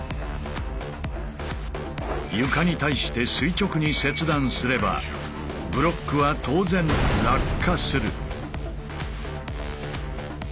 床に対して垂直に切断すればブロックは当然落下する。